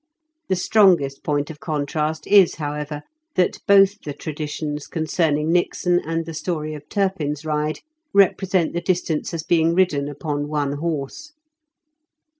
The strongest point of contrast is, however, that both the traditions con cerning Nixon and the story of Turpin's ride represent the distance as being ridden upon one horse.